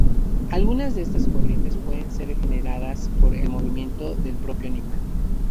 Algunas de estas corrientes pueden ser generadas por el movimiento del propio animal.